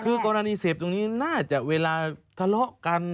คือกรณีเสพตรงนี้น่าจะเวลาทะเลาะกัน